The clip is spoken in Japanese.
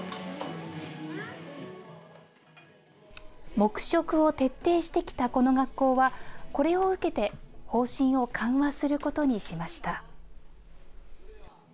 黙食を徹底してきたこの学校は、これを受けて、方針を緩和することにしました。